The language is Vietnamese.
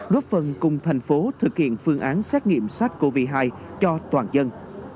góp phần cùng thành phố thực hiện phương án xét nghiệm sars cov hai cho toàn dân